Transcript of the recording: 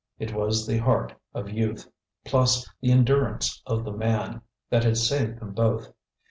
It was the heart of youth, plus the endurance of the man, that had saved them both.